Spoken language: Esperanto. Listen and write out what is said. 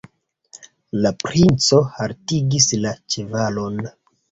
La princo haltigis la ĉevalon.